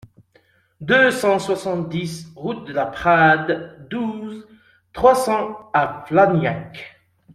deux cent soixante-dix route de la Prade, douze, trois cents à Flagnac